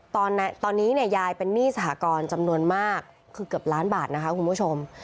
ตอนนี้เนี่ยยายเป็นหนี้สหกรณ์จำนวนมากคือเกือบล้านบาทนะคะคุณผู้ชม